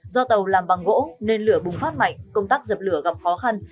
do tàu làm bằng gỗ nên lửa bùng phát mạnh công tác dập lửa gặp khó khăn